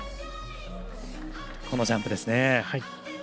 このジャンプですね。